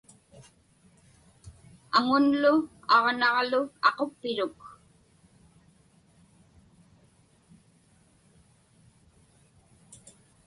Aŋunlu aġnaġlu aquppiruk.